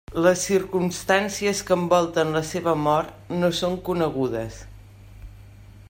Les circumstàncies que envolten la seva mort no són conegudes.